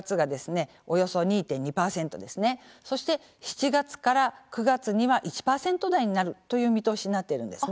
そして７月から９月には１％台になるという見通しになっているんですね。